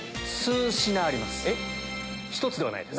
１つではないです。